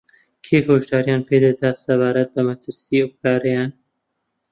کێ هۆشدارییان پێدەدات سەبارەت بە مەترسیی ئەو کارەیان